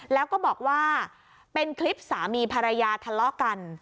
แล้วก็บอกว่าเป็นคลิปสามีภรรยาทะเลาะกัน